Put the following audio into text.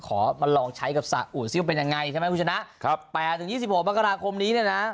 ขอมาลองใช้กับทราบอุซิลป์เป็นยังไงใช่ไหมผู้ชนะ๘ถึง๒๖มกราคมนี้นะ